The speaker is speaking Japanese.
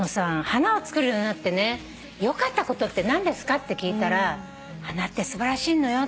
花を作るようになってよかったことって何ですか？」って聞いたら「花って素晴らしいのよ」